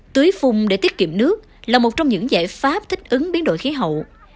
tưới phung để tiết kiệm nước là một trong những giải pháp thích ứng biến đổi khí hậu